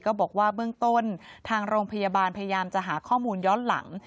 ก็บอกว่าเบื้องต้นทางโรงพยาบาลพยายามจะหาข้อมูลย้อนหลัง